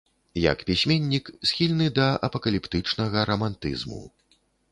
Як пісьменнік схільны да апакаліптычнага рамантызму.